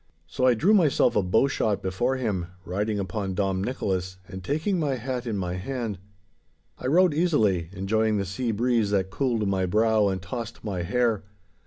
So I drew myself a bowshot before him, riding upon Dom Nicholas, and taking my hat in my hand. I rode easily, enjoying the sea breeze that cooled my brow and tossed my hair.